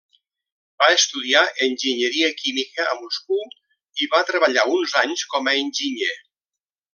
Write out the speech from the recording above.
Va estudiar enginyeria química a Moscou i va treballar uns anys com a enginyer.